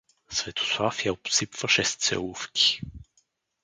Светослав я обсипваше с целувки.